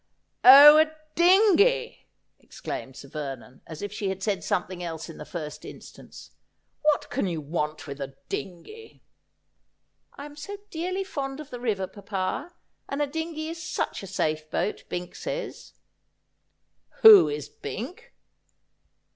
' Oh, a dingey !' exclaimed Sir Vernon, as if she had said something else in the first instance. ' What can you want with a dingey V ' I am so dearly fond of the river, papa ; and a dingey is such a safe boat, Bink says.' ' Who is Bink